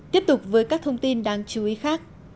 tiếp tục với các thông tin đáng chú ý khác